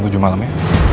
besok jam tujuh malam ya